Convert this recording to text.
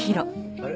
あれ？